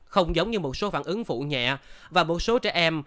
không giống như một số phản ứng phụ nhẹ và một số trẻ em